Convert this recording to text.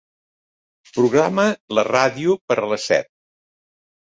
Programa la ràdio per a les set.